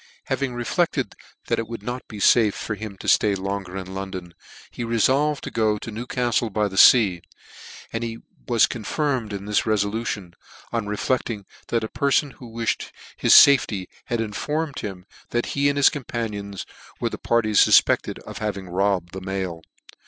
Having reflected that it would not be fafe for him to flay longer in London, he refolved to go to Newcaftle by fea, and he was confirmed in this resolution, on reflecting that a perfon \vho wiflied his fafety had informed him that he 'and his COITH panions were the parties fufpected of having robbed the mail.